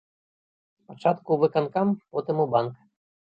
Спачатку ў выканкам, потым у банк.